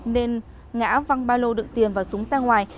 nên ngã văng ba lô đựng tiền và súng ra ngoài